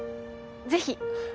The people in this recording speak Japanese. ぜひ。